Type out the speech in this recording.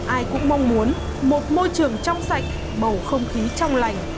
ai cũng mong muốn một môi trường trong sạch bầu không khí trong lành